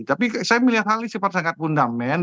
tapi saya melihat hal ini sifat sangat fundament